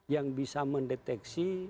yang bisa mendeteksi